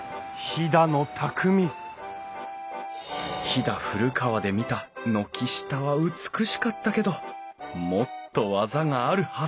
飛騨古川で見た軒下は美しかったけどもっと技があるはず！